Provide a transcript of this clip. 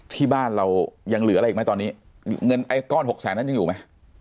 ที่บ้านเรายังเหลืออะไรอีกไหมตอนนี้เงินไอ้ก้อนหกแสนนั้นยังอยู่ไหม